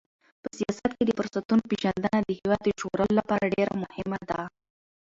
په سیاست کې د فرصتونو پیژندنه د هېواد د ژغورلو لپاره ډېره مهمه ده.